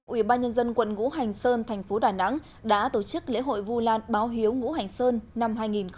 ủy ban nhân dân quận ngũ hành sơn thành phố đà nẵng đã tổ chức lễ hội vu lan báo hiếu ngũ hành sơn năm hai nghìn một mươi chín